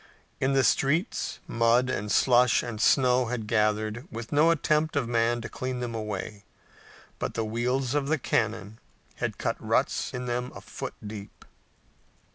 In the streets mud and slush and snow had gathered, with no attempt of man to clean them away, but the wheels of the cannon had cut ruts in them a foot deep.